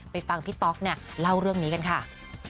ไปฟังพี่ต๊อกเล่าเรื่องนี้กันค่ะ